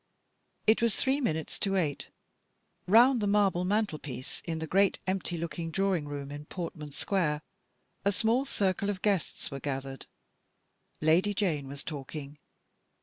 It was three minutes to eight. Round the marble mantelpiece in the great empty looking drawing room in Portman Square, a small circle of guests were gathered. Lady Jane was talking.